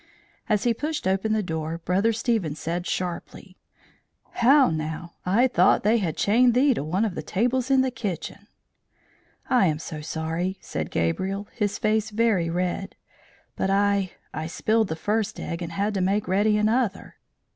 As he pushed open the door, Brother Stephen said, sharply, "How now! I thought they had chained thee to one of the tables of the kitchen!" "I am so sorry," said Gabriel, his face very red, "but I I spilled the first egg and had to make ready another."